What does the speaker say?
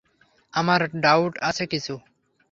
আমার ডাউট আছে কিছু।